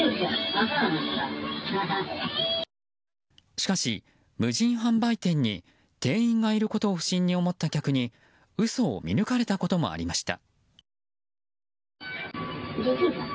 しかし、無人販売店に店員がいることを不審に思った客に嘘を見抜かれたこともありました。